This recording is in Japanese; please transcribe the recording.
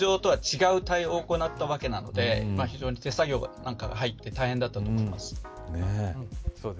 通常とは違う対応を行ったわけなので非常に手作業などが入って大変だったと思います。